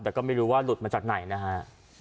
แต่ก็ไม่รู้ว่าหลุดมาจากไหนนะฮะ